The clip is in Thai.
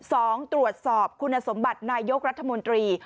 สองตรวจสอบคุณสมบัตินายกรัฐมนตรี